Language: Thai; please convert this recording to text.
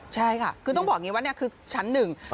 ใช่ค่ะคือต้องบอกอย่างนี้ว่านี่คือชั้นหนึ่ง